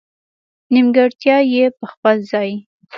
نېمګړتیا یې په خپل ځای.